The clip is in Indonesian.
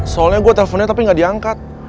soalnya gue teleponnya tapi gak diangkat